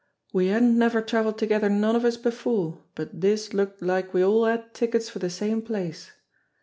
We hadn't never travelled together none of us before, but dis looked like we all had tickets for de same place.